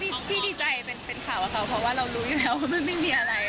ดีใจเป็นข่าวของเขาเพราะว่ารู้อยู่แล้วไม่มีอะไร